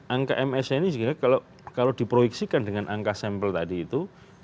angka ms nya ini juga kalau diproyeksikan dengan angka sampel tadi itu